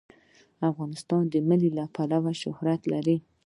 افغانستان د منی له امله شهرت لري.